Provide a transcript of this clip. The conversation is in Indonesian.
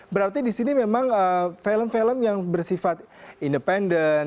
berarti di sini memang film film yang bersifat independen